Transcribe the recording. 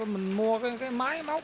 mình mua máy móc